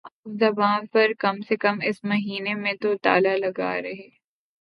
زبان پر کم سے کم اس مہینے میں تو تالا لگا رہے